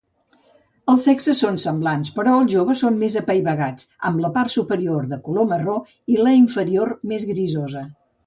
Els sexes són semblants, però els joves són més apaivagats, amb la part superior de color marró i la inferior més grisosa.